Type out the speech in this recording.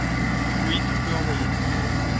Oui tu peux envoyer.